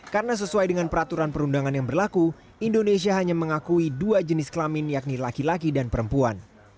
karena sesuai dengan peraturan perundangan yang berlaku indonesia hanya mengakui dua jenis kelamin yakni laki laki dan perempuan